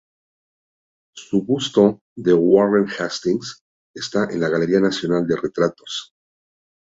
Su busto de Warren Hastings está en la Galería Nacional de Retratos.